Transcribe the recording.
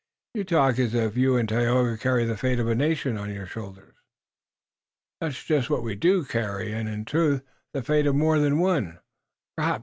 You talk as if you and Tayoga carried the fate of a nation on your shoulders." "That's just what we do carry. And, in truth, the fate of more than one, perhaps.